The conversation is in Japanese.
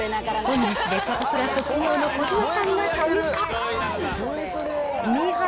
本日でサタプラ卒業の小島さんが参加。